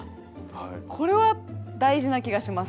これは大事な気がします。